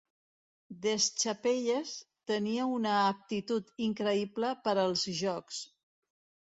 Deschapelles tenia una aptitud increïble per als jocs.